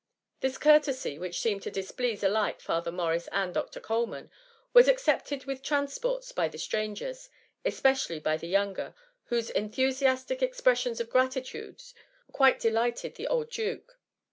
This courtesy, which seemed to displease alike Father Morris and Dr. Coleman, was accepted with transports by the strangers, especially by the younger, whose enthusiastic expressions of gratitude quite delighted the old duke.